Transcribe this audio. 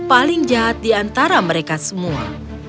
paling jahat di antara mereka semua